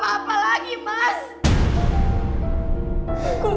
tak ada yang mesti